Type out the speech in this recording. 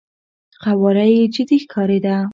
قواره يې جدي ښکارېده.